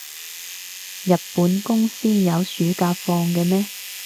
日本公司有暑假放嘅咩？